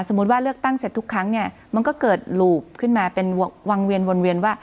ว่าเลือกตั้งเสร็จทุกครั้งเนี่ยมันก็เกิดหลูบขึ้นมาเป็นวังเวียนวนเวียนว่า